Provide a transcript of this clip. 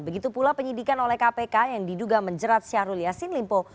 begitu pula penyidikan oleh kpk yang diduga menjerat syahrul yassin limpo